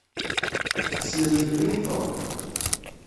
Tessnemt mliḥ Tom?